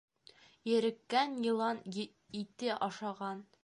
Ереккән йылан ите ашаған.